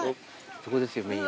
そこですよメインは。